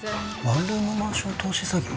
ワンルームマンション投資詐欺？